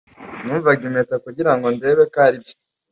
numvaga impeta kugirango ndebe ko aribyo